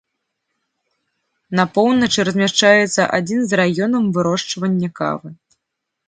На поўначы размяшчаецца адзін з раёнаў вырошчвання кавы.